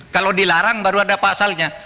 kalau dilarang baru ada pasalnya